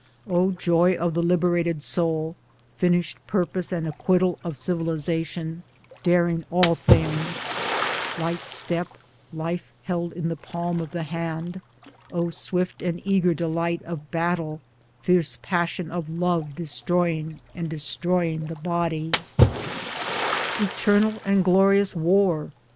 O joy of the liberated soul (finished purpose and acquittal of civilisation), daring all things — light step, life held in the palm of the hand ! O swift and eager delight of battle, fierce passion of love destroying and destroying the body ! 102 Towards Democracy Eternal and glorious War